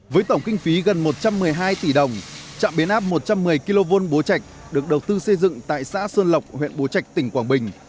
với tổng kinh phí gần một trăm một mươi hai tỷ đồng trạm biến áp một trăm một mươi kv bố trạch được đầu tư xây dựng tại xã sơn lộc huyện bố trạch tỉnh quảng bình